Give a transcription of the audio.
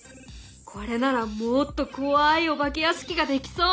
これならもっと怖いお化け屋敷ができそう！